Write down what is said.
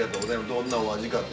どんなお味かって。